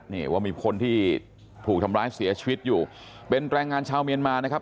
นี่ว่ามีคนที่ถูกทำร้ายเสียชีวิตอยู่เป็นแรงงานชาวเมียนมานะครับ